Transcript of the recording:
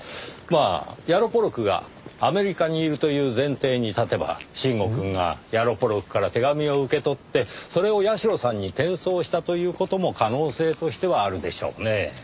まあヤロポロクがアメリカにいるという前提に立てば臣吾くんがヤロポロクから手紙を受け取ってそれを社さんに転送したという事も可能性としてはあるでしょうねぇ。